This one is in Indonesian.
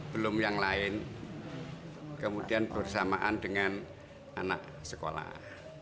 belum yang lain kemudian bersamaan dengan anak sekolah